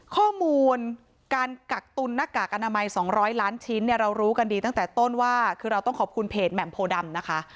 ข้อมูลการกักตุนหน้ากากอนามัย๒๐๐ล้านชิ้นเนี่ยเรารู้กันดีตั้งแต่ต้นว่าคือเราต้องขอบคุณเพจแหม่มโพดำนะคะ